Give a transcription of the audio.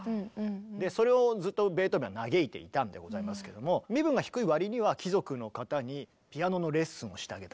でそれをずっとベートーベンは嘆いていたんでございますけども身分が低い割には貴族の方にピアノのレッスンをしてあげたりとか。